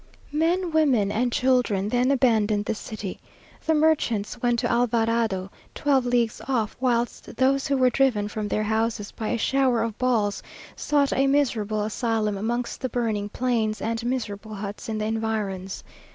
Men, women, and children then abandoned the city. The merchants went to Alvarado, twelve leagues off, whilst those who were driven from their houses by a shower of balls, sought a miserable asylum amongst the burning plains and miserable huts in the environs.